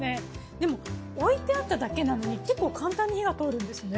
でも置いてあっただけなのに結構簡単に火が通るんですね。